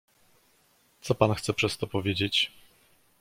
"Co pan chce przez to powiedzieć?"